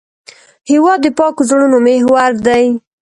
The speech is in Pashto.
هېواد د پاکو زړونو محور دی.